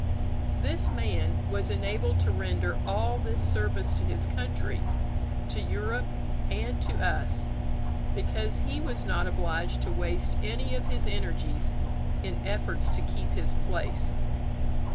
This man was enabled to render all this service to his country, to Europe, and to us, because he was not obliged to waste any of his energies in efforts to keep his place.